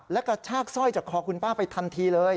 และกระชากสร้อยจากคอคุณป้าไปทันทีเลย